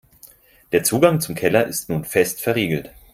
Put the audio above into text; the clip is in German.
Der Zugang zum Keller ist nun fest verriegelt.